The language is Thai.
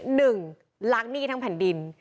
หนึ่งล้างหนี้ทั้งแผ่นดิน